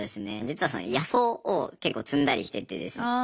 実は野草を結構摘んだりしててですね。